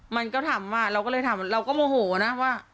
มันก็ถามว่าเราก็เลยถามเราก็โมโหนะว่า